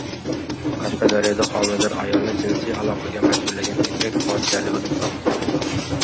Qashqadaryoda homilador ayolni jinsiy aloqaga majburlagan erkak fojiali o‘lim topdi